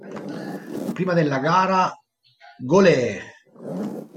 Prima della gara "G'olé!